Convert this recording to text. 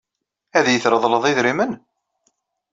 Ad iyi-treḍleḍ idrimen?